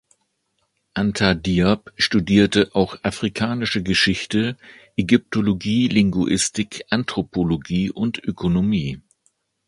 Anta Diop studierte auch Afrikanische Geschichte, Ägyptologie, Linguistik, Anthropologie und Ökonomie.